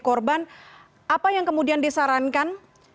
korban apa yang kemudian disarankan